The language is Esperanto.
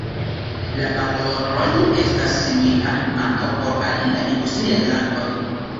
La valoroj estas similaj ankaŭ por aliaj industriaj landoj.